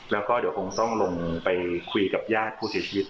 แล้วก็เดี๋ยวคงต้องลงไปคุยกับญาติผู้เสียชีวิต